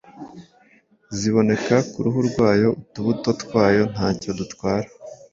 ziboneka ku ruhu rwayo. Utubuto twayo ntacyo dutwara